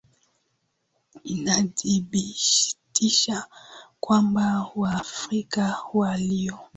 inadhibitisha kwamba waafrika walio